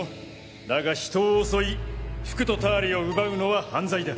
だが人を襲い服とターレを奪うのは犯罪だ。